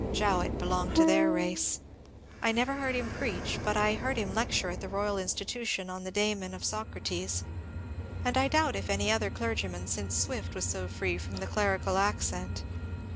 Jowett belonged to their race. I never heard him preach, but I heard him lecture at the Boyal Institution on The Daemon of Socrates," and I doubt if any other clergy man since Swift was so free from the clerical accent.